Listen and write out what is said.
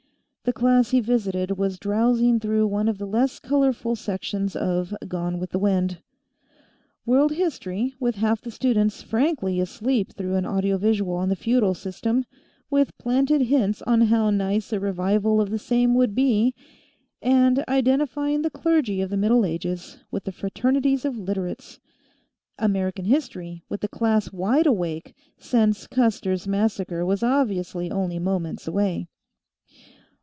The class he visited was drowsing through one of the less colorful sections of "Gone With The Wind." World History, with half the students frankly asleep through an audio visual on the Feudal System, with planted hints on how nice a revival of same would be, and identifying the clergy of the Middle Ages with the Fraternities of Literates. American History, with the class wide awake, since Custer's Massacre was obviously only moments away.